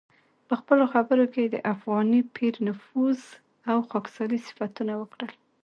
په خپلو خبرو کې یې د افغاني پیر نفوذ او خاکساري صفتونه وکړل.